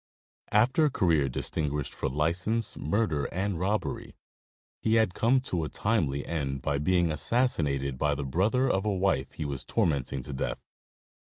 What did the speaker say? After a career distinguished for license, murder and robbery, he had come to a timely end by being assassinated by the brother of a wife he was tormenting to death.